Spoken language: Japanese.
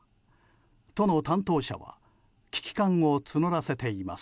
都の担当者は危機感を募らせています。